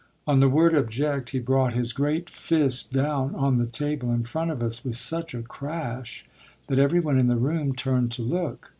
On the word "object" he brought his great fist down on the table in front of us with such a crash that everyone in the room turned to look.